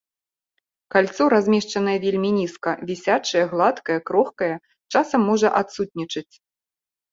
Кальцо, размешчанае вельмі нізка, вісячае, гладкае, крохкае, часам можа адсутнічаць.